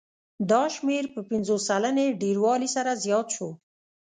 دا شمېر په پنځوس سلنې ډېروالي سره زیات شو